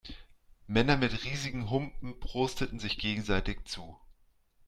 Männer mit riesigen Humpen prosteten sich gegenseitig zu.